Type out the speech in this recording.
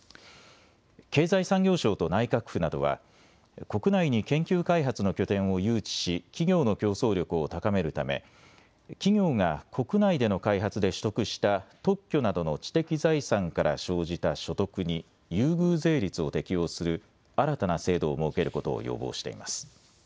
経済産業省と内閣府などは国内に研究開発の拠点を誘致し企業の競争力を高めるため企業が国内での開発で取得した特許などの知的財産から生じた所得に優遇税率を適用する新たな制度を設けることを要望しています。